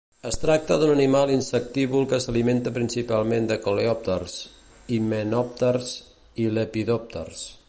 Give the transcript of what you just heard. Es tracta d'un animal insectívor que s'alimenta principalment de coleòpters, himenòpters i lepidòpters.